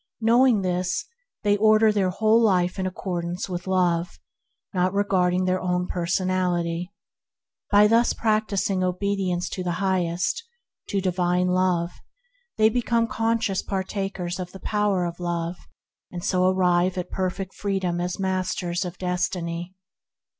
Know ing this, they order their whole life in accordance with Love, not regarding their own personality. Thus practising obedi ence to the Highest, to divine Love, they become conscious partakers of the power of Love; and so arrive at perfect Freedom as Masters of Destiny.